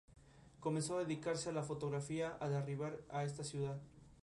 Dispone de dos andenes, dos vías, dos marquesinas y un edificio con cafetería-bar.